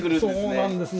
そうなんです。